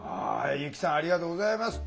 由希さんありがとうございます。